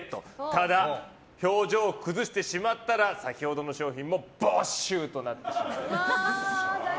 ただ、表情を崩してしまったら先ほどの商品も没収となります。